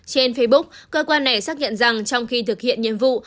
trên facebook cơ quan này xác nhận rằng trong khi thực hiện nhiệm vụ